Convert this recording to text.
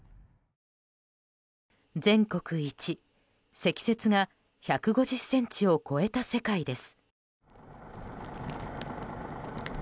全国一、積雪が１５０ｃｍを超えた世界です。